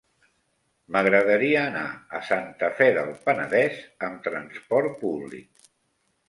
M'agradaria anar a Santa Fe del Penedès amb trasport públic.